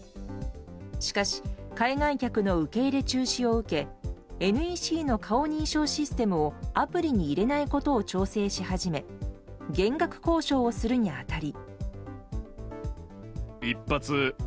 しかし海外客の受け入れ中止を受けＮＥＣの顔認証システムをアプリに入れないことを調整し始め減額交渉をするに当たり。